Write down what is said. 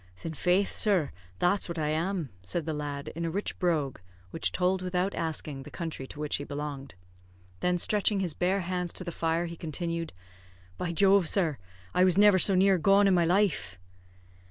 "Thin faith, sir, that's what I am," said the lad, in a rich brogue, which told, without asking, the country to which he belonged. Then stretching his bare hands to the fire, he continued, "By Jove, sir, I was never so near gone in my life!"